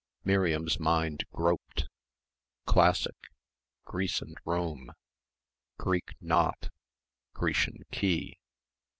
Miriam's mind groped ... classic Greece and Rome Greek knot.... Grecian key